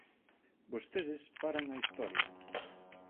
Vostedes paran a historia.